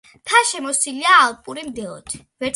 მთა შემოსილია ალპური მდელოთი.